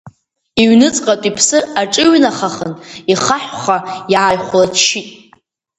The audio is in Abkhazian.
Иҩныҵҟантә иԥсы аҿыҩанахахын, ихаҳәха иааихәлаччит.